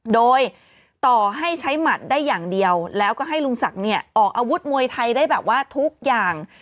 โดยต่อให้ใช้หมัดได้อย่างเดียวแล้วก็ให้ลุงศักดิ์เนี่ยออกอาวุธมวยไทยได้แบบว่าทุกอย่าง